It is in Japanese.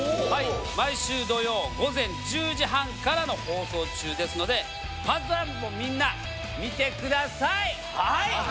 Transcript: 毎週土曜午前１０時半からの放送中ですのでパズドラ部もみんな見てください。